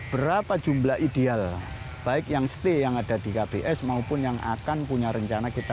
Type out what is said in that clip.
berapa jumlah ideal baik yang stay yang ada di kbs maupun yang akan punya rencana kita